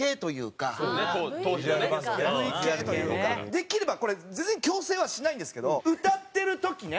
できればこれ全然強制はしないんですけど歌ってる時ね